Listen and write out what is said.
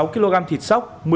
sáu kg thịt sóc